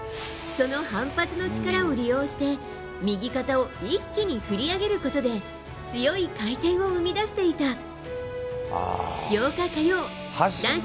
その反発の力を利用して右肩を一気に振り上げることで強い回転を生み出していた。